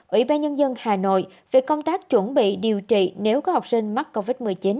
ủy ban nhân dân hà nội về công tác chuẩn bị điều trị nếu có học sinh mắc covid một mươi chín